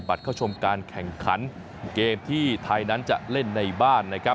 กุญสือทีมชาติไทยเปิดเผยว่าน่าจะไม่มีปัญหาสำหรับเกมในนัดชนะเลิศครับ